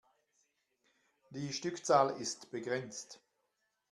Die Stückzahl ist begrenzt.